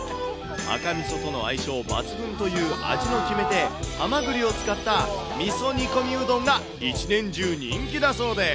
赤みそとの相性抜群という味の決め手、ハマグリを使った味噌煮込みうどんが一年中人気だそうです。